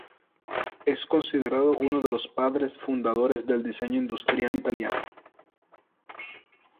Es considerado uno de los padres fundadores del diseño industrial italiano.